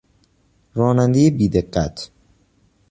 رانندهی بیدقت